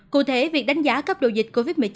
cụ thể việc đánh giá cấp độ dịch covid một mươi chín